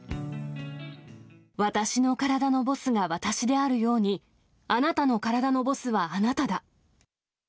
私の体のボスが私であるように、あなたの体のボスはあなただ。